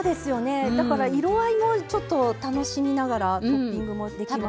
だから色合いも楽しみながらトッピングもできますし。